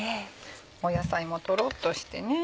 野菜もとろっとしてね。